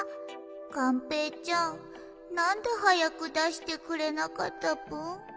がんぺーちゃんなんではやくだしてくれなかったぷん？